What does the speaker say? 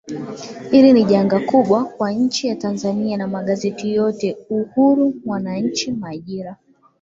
hili ni janga kubwa kwa nchi ya tanzania na magazeti yote uhuru mwananchi majira